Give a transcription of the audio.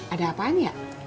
ada apaan ya